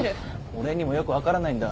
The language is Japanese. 俺にもよく分からないんだ。